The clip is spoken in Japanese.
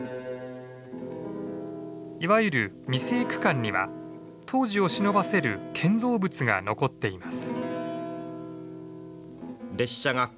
いわゆる未成区間には当時をしのばせる建造物が残っています。